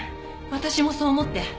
私もそう思って。